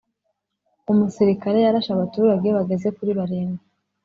Umusirikare yarashe abaturage bageze kuri barindwi